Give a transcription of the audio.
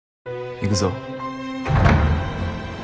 行くぞ。